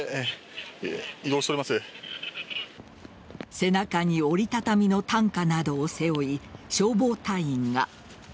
背中に折り畳みの担架などを背負い消防隊員が。